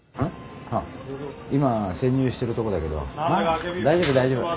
あっ今潜入してるとこだけど大丈夫大丈夫。